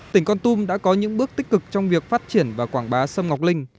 tỉnh con tum đã có những bước tích cực trong việc phát triển và quảng bá sâm ngọc linh